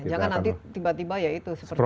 jangan nanti tiba tiba ya itu seperti itu